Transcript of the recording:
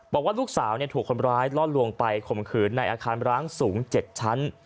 บอกว่าลูกสาวถูกคนร้ายล่อลวงไปข่มขืนในอาคารร้างสูง๗ชั้น